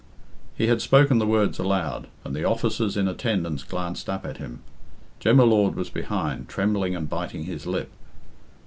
He had spoken the words aloud, and the officers in attendance glanced up at him. Jem y Lord was behind, trembling and biting his lip.